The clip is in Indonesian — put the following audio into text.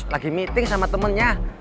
lagi meeting sama temennya